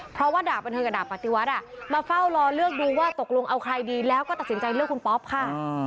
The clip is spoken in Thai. เพราะว่าดาบบันเทิงกับดาบปฏิวัติมาเฝ้ารอเลือกดูว่าตกลงเอาใครดีแล้วก็ตัดสินใจเลือกคุณป๊อปค่ะ